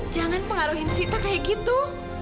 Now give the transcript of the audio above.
jangan mengaruhi sita kayak gitu